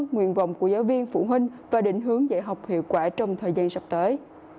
nguyện vọng của giáo viên phụ huynh và định hướng dạy học hiệu quả trong thời gian sắp tới